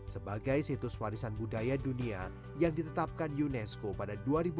sebagai situs warisan budaya dunia yang ditetapkan unesco pada dua ribu empat belas